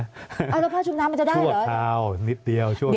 เอาผ้าชุบน้ำมันจะได้เหรอชั่วเทานิดเดียวชั่วเทา